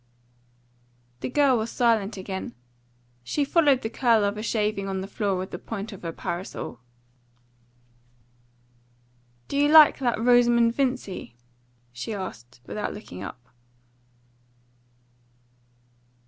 The girl was again silent. She followed the curl of a shaving on the floor with the point of her parasol. "Do you like that Rosamond Vincy?" she asked, without looking up.